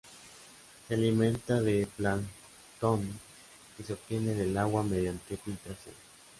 Se alimenta de plancton que obtiene del agua mediante filtración.